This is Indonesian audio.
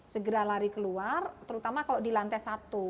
segera lari keluar terutama kalau di lantai satu